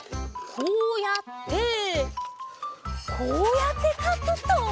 こうやってこうやってかくと。